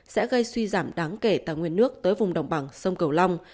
sẽ gây suy giảm đáng kể tài nguyên nước tới vùng đồng bằng sông cửu long